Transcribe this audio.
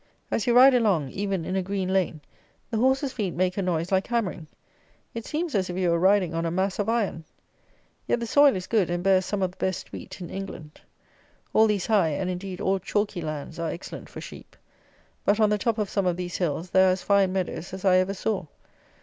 As you ride along, even in a green lane, the horses' feet make a noise like hammering. It seems as if you were riding on a mass of iron. Yet the soil is good, and bears some of the best wheat in England. All these high, and indeed, all chalky lands, are excellent for sheep. But, on the top of some of these hills, there are as fine meadows as I ever saw.